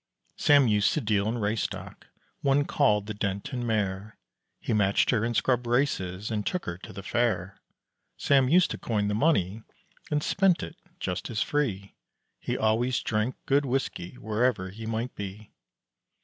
Sam used to deal in race stock, one called the Denton mare, He matched her in scrub races, and took her to the Fair. Sam used to coin the money and spent it just as free, He always drank good whiskey wherever he might be.